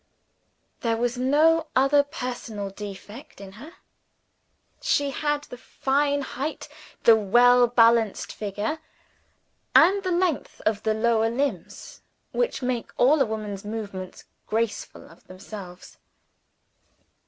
There was no other personal defect in her. She had the fine height, the well balanced figure, and the length of the lower limbs, which make all a woman's movements graceful of themselves.